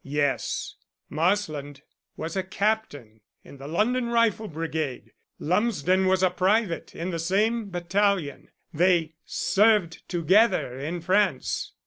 "Yes, Marsland was a captain in the London Rifle Brigade; Lumsden was a private in the same battalion. They served together in France."